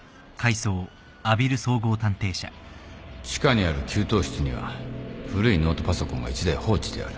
地下にある給湯室には古いノートパソコンが１台放置してある